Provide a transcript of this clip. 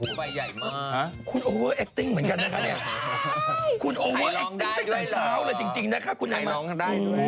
ใหญ่มากครับครับคุณโอเวอร์เอ็กติ้งเหมือนกันนะคุณโอเวอร์เอ็กติ้งตั้งแต่เช้าเลยจริงคุณยังไง